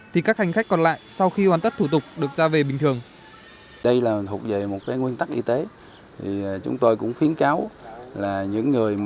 thì các hành khách còn lại sau khi hoàn tất thủ tục được ra về bình thường